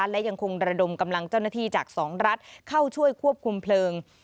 และยังคงระดมกำลังเจ้าหน้าที่จาก๒รัฐเข้าช่วยควบคุมเพลิง